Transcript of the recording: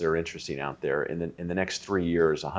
tetapi ada beberapa titik data yang menarik di luar sana